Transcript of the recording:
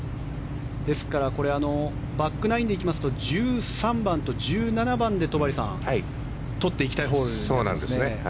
ですからバックナインで行きますと１３番と１７番で取っていきたいホールになりますね。